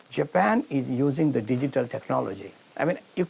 jepang menggunakan teknologi digital